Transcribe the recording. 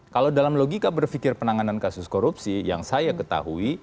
kalau dalam logika berpikir penanganan kasus korupsi yang saya ketahui